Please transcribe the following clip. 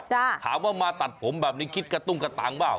ถามว่ามาตัดผมแบบนี้คิดกระตุ้งกระตังเปล่า